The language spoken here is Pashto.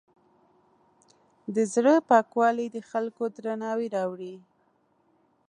د زړۀ پاکوالی د خلکو درناوی راوړي.